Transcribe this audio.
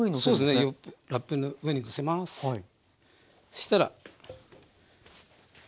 そうしたら。